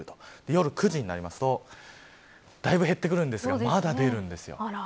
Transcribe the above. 夜９時になりますとだいぶ減ってくるんですがまだ出るんですよ。